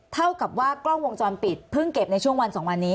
เท่ากับว่ากล้องวงจรปิดเพิ่งเก็บในช่วงวัน๒วันนี้